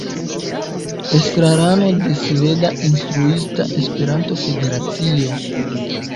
Estrarano de Sveda Instruista Esperanto-Federacio.